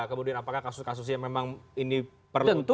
kemudian apakah kasus kasus yang memang ini perlu